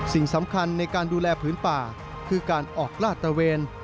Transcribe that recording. สิ่งสำคัญในการดูแลพื้นป่าคือการออกลาดตระเวน